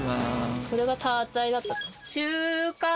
これがターツァイだったかな？